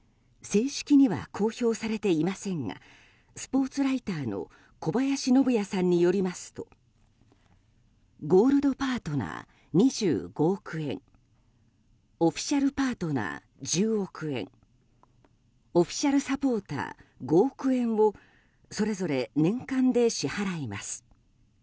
正式には公表されていませんがスポーツライターの小林信也さんによりますとゴールドパートナー、２５億円オフィシャルパートナー１０応援オフィシャルサポーター５億円をそれぞれ年間で支払います。